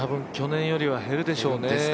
去年よりは減るでしょうね